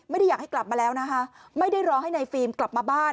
ไม่ได้อยากให้กลับมาแล้วนะคะไม่ได้รอให้ในฟิล์มกลับมาบ้าน